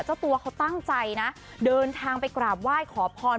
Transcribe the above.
เจ้าตัวเขาตั้งใจนะเดินทางไปกราบไหว้ขอพร